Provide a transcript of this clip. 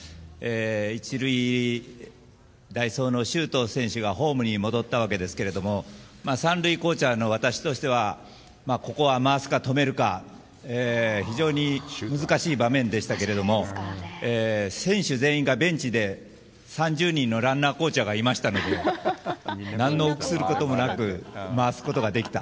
１塁代走の周東選手がホームに戻ったわけですが３塁コーチャーの私としてはここは回すか止めるか非常に難しい場面でしたけど選手全員がベンチで３０人のランナーコーチャーがいましたので何の臆することもなく回すことができた。